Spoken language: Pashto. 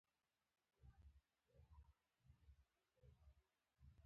خو وچ کلک سیفور یم.